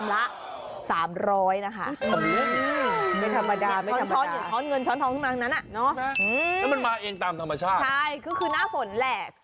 แล้วมันมาเองตามธรรมชาติใช่ก็คือหน้าฝนแหละ